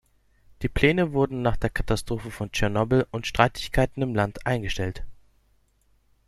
Die Pläne wurden nach der Katastrophe von Tschernobyl und Streitigkeiten im Land eingestellt.